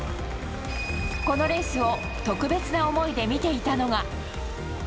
このレースを特別な思いで見ていたのが。